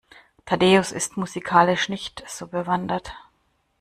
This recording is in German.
Thaddäus ist musikalisch nicht so bewandert.